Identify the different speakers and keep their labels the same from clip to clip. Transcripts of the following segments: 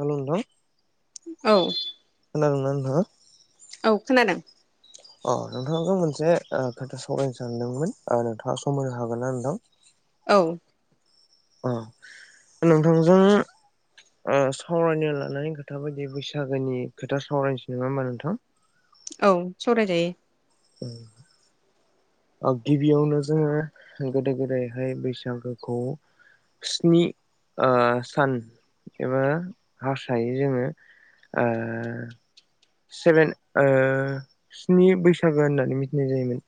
Speaker 1: हेल' नोंथां
Speaker 2: औ।
Speaker 1: [unintelligible] नोंथांआ?
Speaker 2: औ खोनादों।
Speaker 1: औ नोंथांखौ मोनसे ओ खोथा सावरायनो सानदोंमोन ओ नोंथाङा सम होनो हागोन ना नोंथां?
Speaker 2: औ
Speaker 1: अ नोंथांजों ओ सावरायनो लानाय खोथा बायदि बैसागोनि खोथा सावरायनोसै नङा होमबा नोंथां?
Speaker 2: औ सावरायजायो।
Speaker 1: ओम ओ गिबियावनो जोङो गोदो गोदायहाय बैसागोखौ स्नि ओ सान एबा हारसायै जोङो ओ सेभेन ओ स्नि बैसागो होननानै मिथिनाय जायोमोन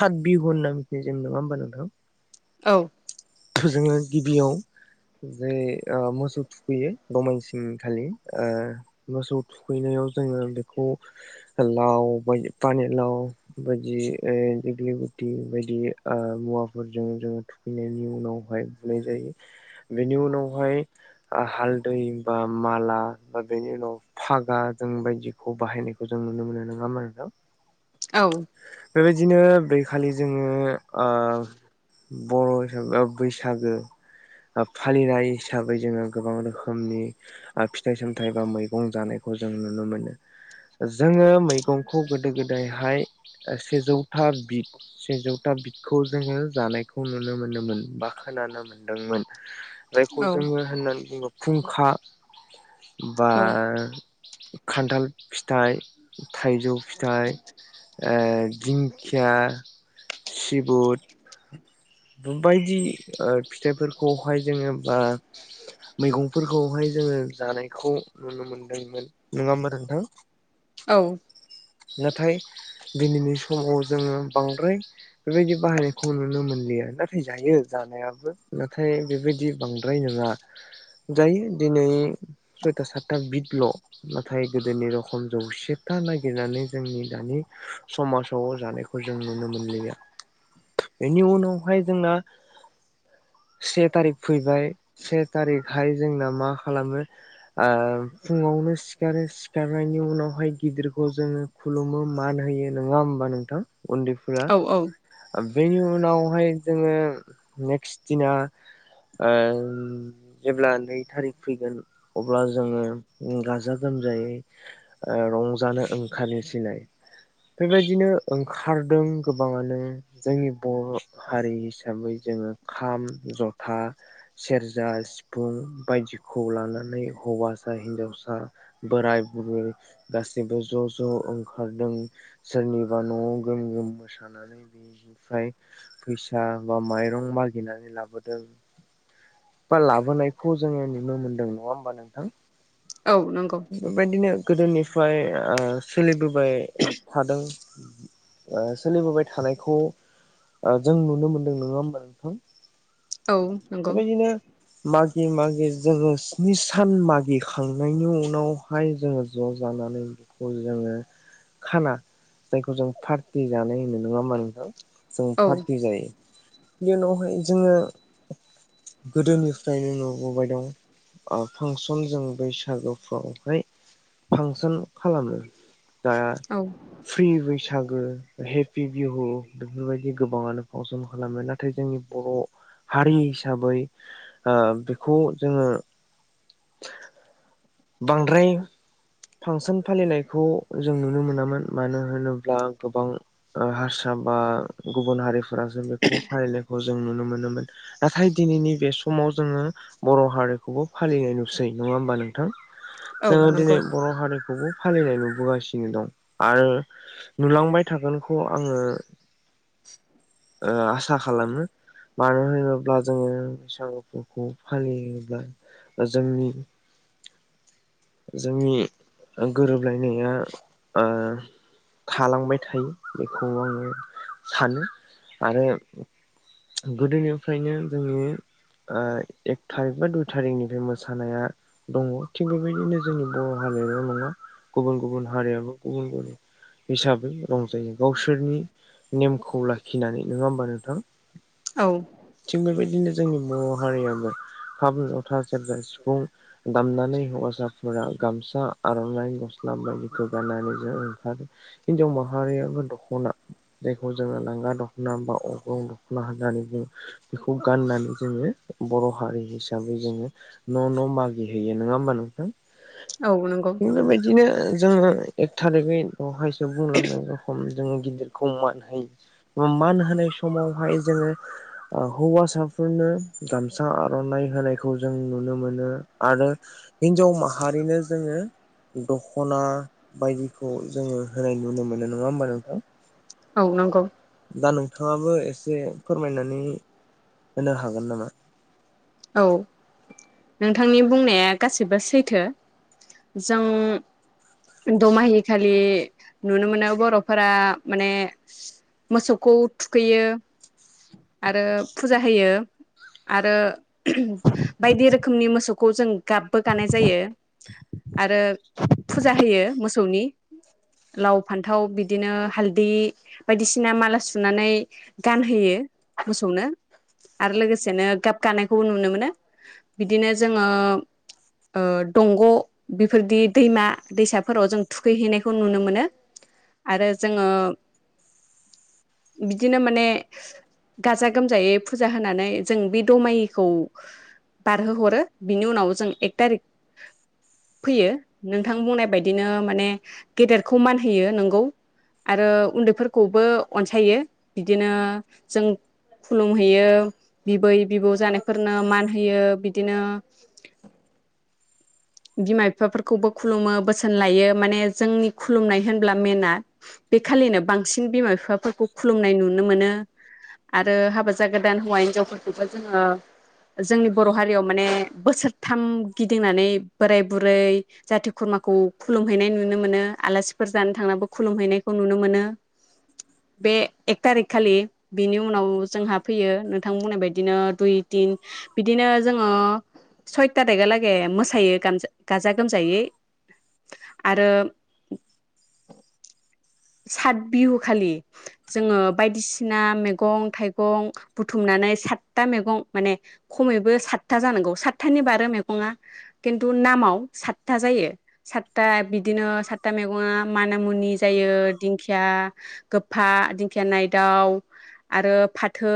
Speaker 1: काट बिहु होनना मिथिनाय जायोमोन नङा होमबा नोंथां?
Speaker 2: औ
Speaker 1: जोङो गिबियाव जे ओ-मोसौ थुखैयो दमाइसिंखालि ओ मोसौ थुखैनायाव जोङो बेखौ लाव बै पानि लाव बायदि ओ दग्लि गुथि बायदि ओ-मुवाफोरजों जोङो थुखैनायनि उन उनावहाय बुनाय जायो बेनि उनावहाय हालदै ओ बा माला बा बेनि उनाव फागा जों बायदिखौ बाहायनायखौ जों नुनो मोनो नङा होमबा नोंथां?
Speaker 2: औ
Speaker 1: बेबायदिनो बैखालि जोङो ओ बर' हिसाबै बा बैसागो ओ-फालिनाय हिसाबै जोङो गोबां रोखोमनि ओ फिथाइ सामथाइ बा मैगं जानायखौ जों नुनो मोनो जोङो मैगंखौ गोदो गोदायहाय सेजौथा बिद सेजौथा बिदखौ जोङो जानायखौ नुनो मोनदोंमोन बा खोनानो मोनदोंमोन। जायखौ
Speaker 2: औ
Speaker 1: जोङो होननानै बुंङो खुंखा। बार। खान्थाल फिथाइ थाइजौ फिथाइ। ओ-दिंखिया सिबुद बायदि ओ फिथाइफोरखौहाय जोङो बा मैगंफोरखौहाय जोङो जानायखौ नुनो मोनदोंमोन नङा होमबा नोंथां?
Speaker 2: औ।
Speaker 1: नाथाय दिनैनि समाव जोङो बांद्राय बेबायदि बाहायनायखौ नुनो मोनलिया नाथाय जायो जानायाबो नाथाय बेबायदि बांद्राय नङा जायो दिनै सयथा सातथा बिदल' नाथाय गोदोनि रखम जौसेथा लाय नानै जोंनि दानि समाजाव जानायखौ जों नुनो मोनलिया बेनि उनावहाय जोंना से थारिख फैबाय से थारिखहाय जोंना मा खालामो ओ फुङावनो सिखारो सिखारनायनि उनावहाय गिदिर खौ जोङो खुलुमो मान होयो नङा होमबा नोंथां? उन्दैफोरा।
Speaker 2: औ औ
Speaker 1: बेनि उनावहाय जोङो नेक्स्ट दिना ओ जेब्ला नै थारिख फैगोन अब्ला जोङो गाजा गोमजायै ओ रंजानो ओंखारनोसैलाय बेबायदिनो ओंखारदों गोबाङानो जोंनि बर' हारि हिसाबै जोङो खाम जथा सेरजा सिफुं बायदिखौ लानानै हौवासा हिनजावसा बोराय बुरै गासैबो ज' ज' ओंखारदों सोरनिबा न'आव गोम गोम मोसानानै बेनिफ्राय फैसा बा माइरं मागिनानै लाबोदों बा लाबोनायखौ जोङो नुनो मोनदों नङा होमबा नोंथां?
Speaker 2: औ नंगौ
Speaker 1: बेबायदिनो गोदोनिफ्राय ओ सोलिबोबाय फ्राय थादों ओ सोलिबोबाय थानायखौ जों नुनो मोनदों नङा होमबा नोंथां
Speaker 2: औ नंगौ
Speaker 1: बेबायदिनो मागि मागि जोङो स्नि सान मागिखांनायनि उनावहाय जोङो ज जानानै जोङो खाना जायखौ जों पार्टि जानाय होनो नङा होमा नोंथां जों
Speaker 2: औ
Speaker 1: पार्टि जायो। बेनि उनावहाय जोङो गोदोनिफ्रायनो नुबोबाय दं फांसन जों बैसागोफ्रावहाय फांसन खालामो दा
Speaker 2: औ
Speaker 1: फ्रि बैसागु बैसागो हेपि बिहु बेफोरबायदि गोबाङानो फांसन खालामो नाथाय जोंनि बर'हारि हिसाबै ओ बेखौ जोङो बांद्राय फांसन फालिनायखौ जों नुनो मोनामोन मानो होनोब्ला गोबां हारसा बा गुबुन हारिफोर फ्रासो बेखौ फालियो खौ जों नुनो मोनोमोन नाथाय दिनैनि बे समाव जोङो बर हारिखौबो फालिनाय नुसै नङा होमबा नोंथां
Speaker 2: औ
Speaker 1: जोङो
Speaker 2: नंगौ
Speaker 1: दिनै बर' हारिखौबो फालिनाय नुबोगासिनो दं आरो नुलांबाय थागोनखौ आङो आसा खालामो मानो होनोब्ला जोङो बैसागु फोरखौ फालियोब्ला जोंनि जोंनि गोरोबलायनाया ओ थालांबाय थायो बेखौ आङो सानो आरो गोदोनिफ्रायनो जोंनि ओ एक थारिख बा दुइ थारिखनिफ्राय मोसानाया दङ थिग बे बेबायदिनो जोंनि बर' हारियाल नङा गुबुन गुबुन हारियाबो गुबुन गुबुन हिसाबै रंजायो गावसोरनि नेमखौ लाखिनानै नङा होमबा नोंथां?
Speaker 2: औ
Speaker 1: थिग बेबायदि बिदिनो जोंनि बर' हारियाबो खाब लथा सेरजा सिफुं दामनानै हानजाफोरा गामसा आरनाइ गस्ला बायदिखौ गाननानै जों ओंखारो हिनजाव माहारियाबो दखना जायखौ जोङो लांगा दखना बा अग्रं दखना होननानै बुङो बेखौ गाननानै जोङो बर' हारि हिसाबै जोङो न न' मागिहोयो नङा होमबा नोंथां?
Speaker 2: औ नंगौ
Speaker 1: इफोर बादिनो जोङो एक थारिखै बवहाय बुंलांनाय रखमनि जोङो गिदिरखौ मान होयो । मान होनाय समावहाय जोङो ओ हौवासाफोरनो गामसा आरनाय होनायखौ जों नुनो मोनो आरो हिनजाव मा हारिनो जोङो दख'ना बायदिखौ जोङो होनाय नुनो मोनो नङा होमबा नोंथां?
Speaker 2: औ नंगौ।
Speaker 1: दा नोंथाङाबो एसे फोरमायनानै होनो हागोन नामा?
Speaker 2: औ नोंथांनि बुंनाया गासिबबो सैथो। जों दमाहि खालि नुनो मोनो बर'फोरा माने मोसौखौ थुखैयो। आरो फुजा होयो आरो बायदि रोखोमनि मोसौ खौ जों गाबबो गानाय जायो। आरो फुजा होयो मोसौनि। लाव फान्थाव बिदिनो हालदै बायदिसिना माला सुनानै गानहोयो। मोसौनो आरो लोगोसेनो गाब गानायखौबो नुनो मोनो । बिदिनो जोङो ओ दंग' बेफोरदि दैमा दैसाफोराव जों थुखैहैनायखौ नुनो मोनो आरो जोङो बिदिनो माने गाजा गोमजायै फुजा होनानै जों बे दमाहिखौ बारहोहरो। बिनि उनाव जों एक थारिख फैयो नोंथां बुंनाय बायदिनो माने गेदेरखौ मान होयो नोंगौ आरो उन्दैफोरखौबो अनसायो। बिदिनो जों खुलुमहैयो बिबै बिबौ जानायफोरनो मान होयो । बिदिनो बिमा बिफाफोरखौबो खुलुमो बोसोन लायो माने जोंनि खुलुमनाय होनब्ला मेना बेखालिनो बांसिन बिमा बिफाफोरखौ खुलुमनाय नुनो मोनो आरो हाबा जागोदान हौवा हिनजावफोरखौबो जोङो जोंनि बर' हारियाव माने बोसोरथाम गिदिंनानै बोराय बुरै जाथि खुरमाखौ खुलुमहैनाय नुनो मोनो। आलासिफोर जानो थांनो खुलुमहैनायखौ नुनो मोनो ।बे एक थारिक खालि बिनि उनाव जोंहा फैयो नोंथां बुंनाय बायदिनो दुइ थिन बिदिनो जोङो सय थारिकहालागे मोसायो। गामजा गाजा गोमजायै आरो सात बिहु खालि जोङो बायदिसिना मैगं थाइगं बुथुमनानै सात था मेगं माने खमैबो सातथा जानांगौ सातथानि बारो मेगङा। खिन्थु नामाव सातथा जायो सातथा बिदिनो सातथा मैगङा माना मुनि जायो दिंखिया गोफफा दिंखिया नायदाव आरो फाथो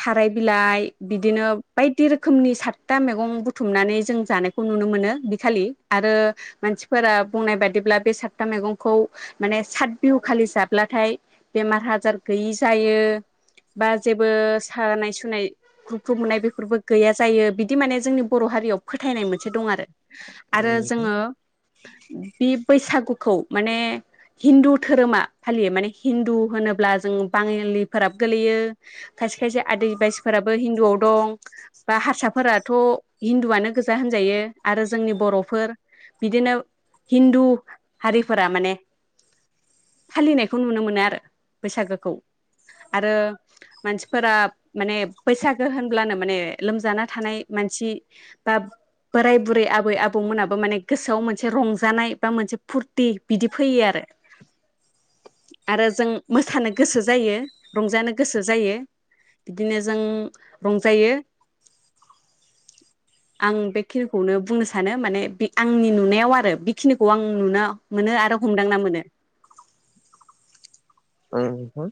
Speaker 2: थाराय बिलाइ बिदिनो बायदि रोखोमनि सातथा मैगं बु थुमनानै जों जानायखौ नुनो मोनो बिखालि आरो मानसिफोरा बुंनाय बादिब्ला बे साथथा मैगंखौ माने सात बिहुखालि जाब्लाथाय बेमार हाजार गैयि जायो बा जेबो सानाय सुनाय ग्रुब ख्रुब मोननाय बेफोरबो गैया जायो बिदि माने जोंनि बर' हारियाव फोथायनाय मोनसे दं आरो
Speaker 1: औ
Speaker 2: ।आरो
Speaker 1: नोंथां।
Speaker 2: जोङो बे बैसा गुखौ माने हिन्दु धोरोमा फालियो माने हिन्दु होनोब्ला जों बाङालिफोराबो गोलैयो खायसे खायसे आदिबासिफोराबो हिन्दुआव दं बा हारसाफोराथ' हिन्दुआनो गोजा होनजायो आरो जोंनि बर'फोर बिदिनो हिन्दु हारिफोरा माने फालिनायखौ नुनो मोनो आरो बैसागोखौ आरो मानसिफोरा माने बैसागो होनब्लानो माने लोमजाना थानाय मानसि बा बोराय बुरै आबै आबौमोनाबो माने गोसोआव मोनसे रंजानाय बा मोनसे फुरथि बिदि फैयो आरो ।आरो जों मोसानो गोसो जायो रंजानो गोसो जायो बिदिनो जों रंजायो। आं बेखिनिखौनो बुंनो सानो माने बे आंनि नुनायाव आरो बेखिनिखौ आं नुनो मोनो आरो हमदांना मोनो।
Speaker 1: ओं नोंथां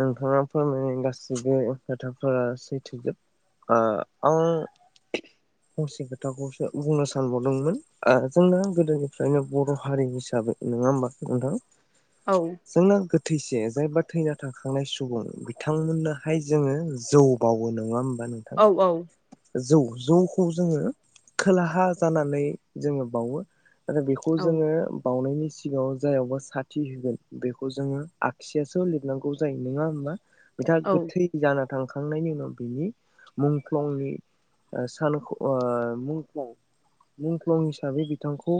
Speaker 1: नोंथाङा फोरमायनाय गासैबो खोथाफोरा सैथोजोब। ओ आं फंसे खोथाखौसो बुंनो सानबावदोंमोन आ जोंना गोदोनिफ्रायनो बर' हारि हिसाबै नोङा होमबा नोंथां
Speaker 2: औ
Speaker 1: जोंना गो थैसे जायबा थैना थाखांनाय सुबुं बिथांमोननोहाय जोङो जौ बावो नङा होम बा नोंथां
Speaker 2: औ औ
Speaker 1: जौ जौखौ जोङो खोलाहा जानानै जोङो बावो। आरो बेखौ
Speaker 2: औ
Speaker 1: जोङो बावनायनि सिगाङाव जायावबा साथि होगोन बेखौ जोङो आखसियासो लिरनांगौ जायो नोङा होमबा बिथाङा गोथै जाना थांखांनायनि उनाव बिनि मुंख्लंनि सान आं मुंख्लं मुंख्लं हिसाबै बिथांखौ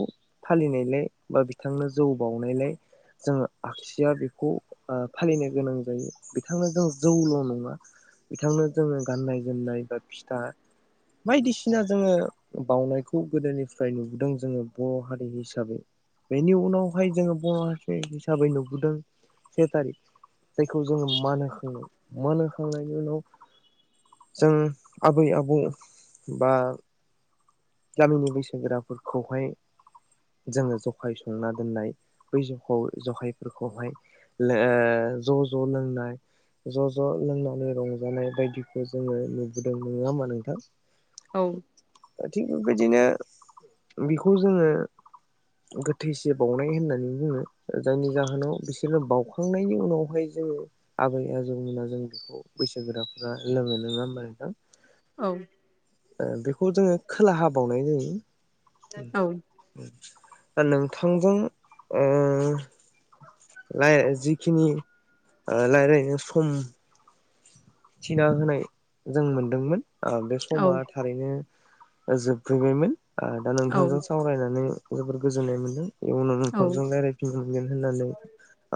Speaker 1: फालिनायलाय बा बिथांनो जौ बावनायलाय जोङो आगसि खौ फालिनो गोनां जायो बिथांनो जों जौल नङा बिथांनो जोङो गाननाय जोमनाय बा फिथा बायदिसिना जोङो बावउनायखौ गोदोनिफ्राय नुबोदों जोङो बर हारि हिसाबै बेनि उनावहाय जोङो बर हारि हिसाबै नुबोदों से थारिख जायखौ जोङो मान होखां मान होखांनायनि उनाव जों आबै आबौ बा गामिनि बैसोगोराफोरखौहाय जोङो जखाय संना दोननाय बै जौ जहायफोरखौहाय ज ज लोंनाय ज ज लोंनानै रंजानाय बायदिखौ जोङो नुबोदों नङा होमबा नोंथां
Speaker 2: औ
Speaker 1: थिग बेबायदिनो बेखौ जोङो गोथैसे बावनाय होननानै बुङो जायनि जाहोनाव बिसो बिसोरनो बावउखांनायनि उनावहाय जोङो आबै आजौमोना जों बेखौ बैसो गोराफोरा लोङो नङा होनबा नोंथां
Speaker 2: औ
Speaker 1: बेखौ जोङो खोला हा बावनाय जायो उम उम नोंथांजों ओ [inaudible] रा जिखिनि रायलायनो सम थिना होनाय जों मोनदोंमोन बे समा थारैनो जोबफैबायमोन दा
Speaker 2: औ
Speaker 1: नोंथांजों सावरायनानै जोबोर गोजोननाय मोन्दों। इयुनाव
Speaker 2: औ औ
Speaker 1: नोंथांजों रायलायफिननो मोनगोन होननानै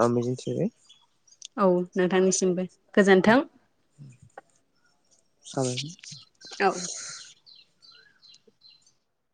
Speaker 1: आं मिजिंथि [inaudible]
Speaker 2: औ नोंथांनिसिमबो। गोजोन्थों। औ।
Speaker 1: [inaudible]